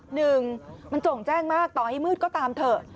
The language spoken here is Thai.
หนึ่งมันโจ่งแจ้งมากต่อให้มืดก็ตามเถอะ